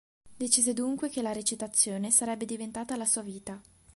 Decise dunque che la recitazione sarebbe diventata la sua vita.